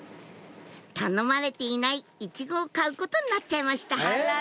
頼まれていないイチゴを買うことになっちゃいました